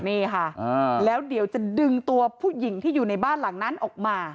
นี่ค่ะแล้วเดี๋ยวจะดึงตัวผู้หญิงที่อยู่ในบ้านหลังนั้นออกมา